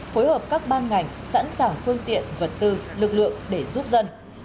phối hợp các ban ngành sẵn sàng phương tiện vật tư lực lượng để giúp dân